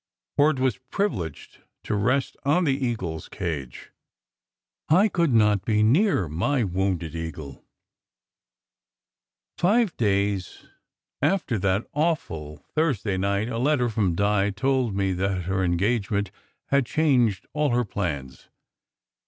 For it was privileged to rest on the eagle s cage. I could not be near my wounded eagle ! Five days after that awful Thursday night a letter from Di told me that her engagement had "changed all her plans."